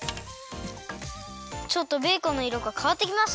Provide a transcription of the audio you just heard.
ちょっとベーコンのいろがかわってきました。